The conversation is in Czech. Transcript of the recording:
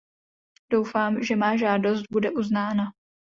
Doufám, že má žádost bude uznána.